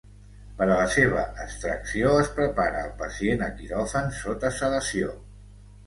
Per a la seva extracció es prepara al pacient a quiròfan sota sedació.